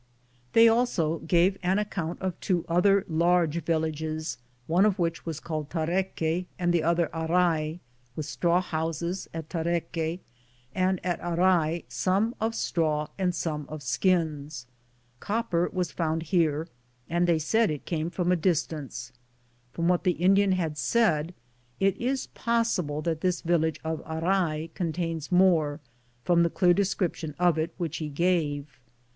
They also gave an account of two other large villages, one of which was called Tareque ' and the other Arae, with straw houses at Tareque, and at Arae some of straw and some of skins. Copper was found here, and they said it came from a distance. 1 Tuieque, in the MuEoz copy. 209 HijiNisi i,, Google THE JOURNEY OF COBONADO From what the Indian had said, it is possi ble that this village of Arae contains more, 1 from the clear description of it which he gave.